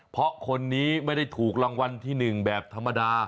เพราะคนนี้ไม่ได้ถูกรางวัลที่๑แบบธรรมดา